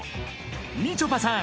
みちょぱさん